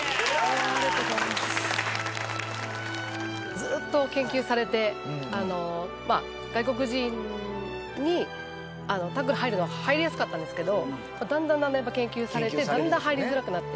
ずっと研究されてまあ外国人にタックル入るのは入りやすかったんですけどだんだんだんだんやっぱ研究されてだんだん入りづらくなって。